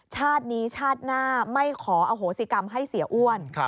ชาตินี้ชาติหน้าไม่ขออโหสิกรรมให้เสียอ้วน